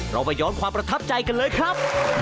เรามาย้อนความประทับใจกันเลยครับ